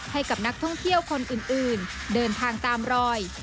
ให้กับนักท่องเที่ยวคนอื่นเดินทางตามรอย